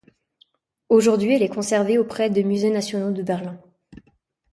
Aujourd’hui, elle est conservée auprès des Musées Nationaux de Berlin.